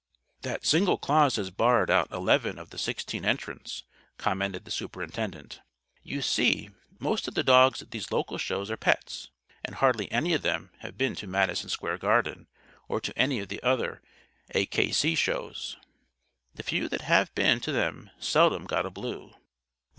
_'" "That single clause has barred out eleven of the sixteen entrants," commented the Superintendent. "You see, most of the dogs at these local Shows are pets, and hardly any of them have been to Madison Square Garden or to any of the other A. K. C. shows. The few that have been to them seldom got a Blue."